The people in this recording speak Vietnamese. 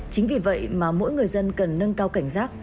chính vì vậy mà mỗi người dân cần nâng cao cảnh giác